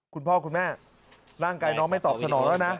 คุณพ่อคุณแม่ร่างกายน้องไม่ตอบสนองแล้วนะ